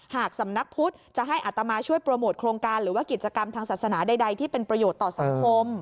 หากสำนักพุทธจะให้อัตมาช่วยโปรโมทโครงการหรือว่ากิจกรรมทางศาสนาใดที่เป็นประโยชน์ต่อสังคม